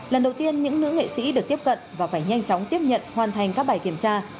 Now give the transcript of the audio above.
lần đầu tiên những nữ nghệ sĩ được tiếp cận và phải nhanh chóng tiếp nhận hoàn thành các bài kiểm tra